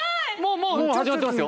もう始まってますよ。